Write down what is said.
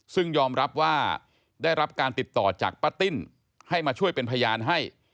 ซึ่งยอมรับว่าได้รับการติดต่อจากป้าติ้นให้มาช่วยเป็นพยานให้